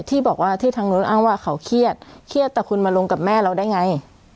ที่บอกว่าที่ทางนู้นอ้างว่าเขาเครียดเครียดแต่คุณมาลงกับแม่เราได้ไง